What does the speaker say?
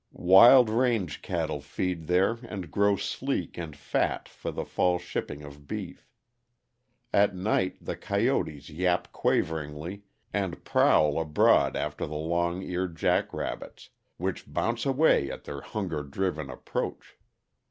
Wild range cattle feed there and grow sleek and fat for the fall shipping of beef. At night the coyotes yap quaveringly and prowl abroad after the long eared jack rabbits, which bounce away at their hunger driven approach.